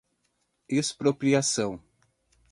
expropriação